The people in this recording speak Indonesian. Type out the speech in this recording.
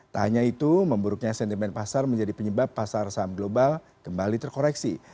tak hanya itu memburuknya sentimen pasar menjadi penyebab pasar saham global kembali terkoreksi